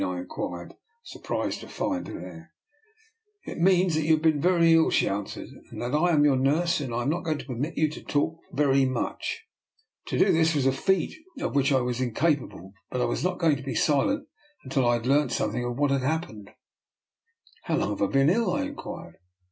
" I inquired, sur prised to find her there. " It means that you have been very ill," she answered, " and that I am your nurse, and am not going to permit you to talk very much." To do this was a feat of which I was in capable, but I was not going to be silent until I had learnt something of what had happened. How long have I been ill? " I inquired.